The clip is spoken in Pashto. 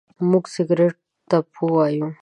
موږ سګرېټو ته پو وايو.